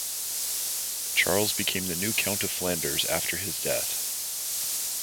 Charles became the new Count of Flanders after his death.